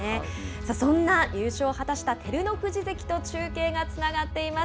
さあ、そんな優勝を果たした照ノ富士関と中継がつながっています。